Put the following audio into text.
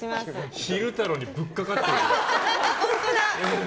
昼太郎にぶっかかってる。